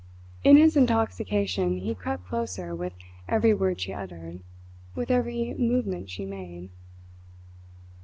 In his intoxication he crept closer with every word she uttered, with every movement she made.